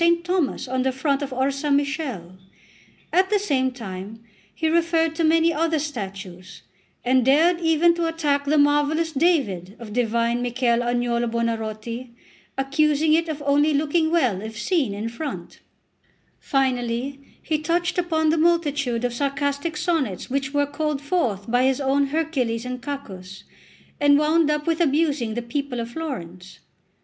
Thomas on the front of Orsammichele; at the same time he referred to many other statues, and dared even to attack the marvellous David of divine Michel Agnolo Buonarroti, accusing it of only looking well if seen in front; finally, he touched upon the multitude of sarcastic sonnets which were called forth by his own Hercules and Cacus, and wound up with abusing the people of Florence.